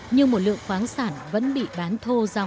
nhưng một lượng khoáng sản vẫn bị bán thô ra ngoài tỉnh